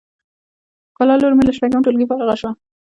ښکلا لور می له شپږم ټولګی فارغه شوه